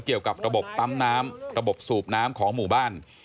เกี่ยวกับระบบปั๊มน้ำระบบสูบน้ำของหมู่บ้าน